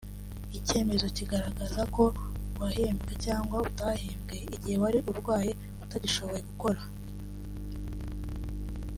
icyemezo kigaragaza ko wahembwe cyangwa utahembwe igihe wari urwaye utagishoboye gukora